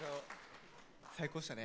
最高でしたね。